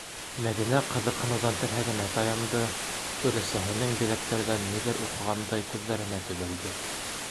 - Мәҙинә ҡыҙыҡһыныуҙан терһәгенә таянды, өләсәһенең биҙәктәрҙән ниҙер уҡығандай күҙҙәренә төбәлде.